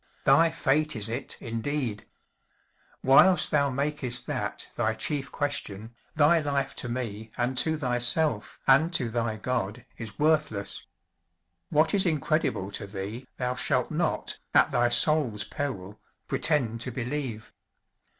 Thy fate is it, indeed! Whilst thou makest that thy chief question, thy life to me and to thyself and to thy God is worthless. What is incredible to thee thou shalt not, at thy soul's peril, pretend to believe.